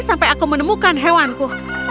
sampai aku menemukan hewanku